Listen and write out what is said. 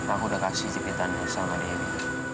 aku udah kasih sedikitan rasa sama dewi